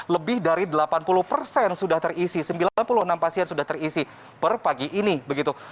lebih dari delapan puluh persen sudah terisi sembilan puluh enam pasien sudah terisi per pagi ini begitu